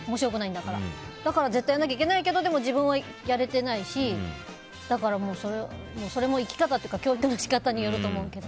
だからって絶対やらなきゃいけないけど自分はやれてないしだから、それも生き方というか教育の仕方によると思うけど。